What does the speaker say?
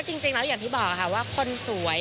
แต่จริงแล้วอย่างที่บอกอ่ะค่ะของ